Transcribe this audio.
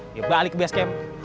dia balik base camp